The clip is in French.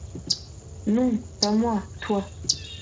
Non… pas moi… toi…